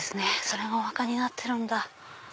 それがお墓になってるんだ。